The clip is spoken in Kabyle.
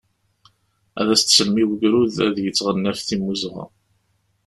ad as-teslem i ugrud ad yetɣenni ɣef timmuzɣa.